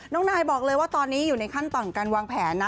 นายบอกเลยว่าตอนนี้อยู่ในขั้นตอนการวางแผนนะ